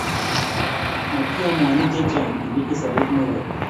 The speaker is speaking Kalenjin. matiam mwanik che chang' ye imeche sobet ne goi